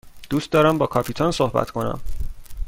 دوست دارم با کاپیتان صحبت کنم.